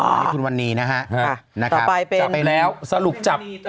นี่คุณวันนี้นะฮะจับไปแล้วสรุปจับ